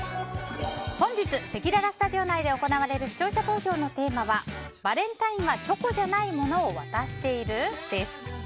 本日、せきららスタジオ内で行われる視聴者投票のテーマはバレンタインはチョコじゃないものを渡している？です。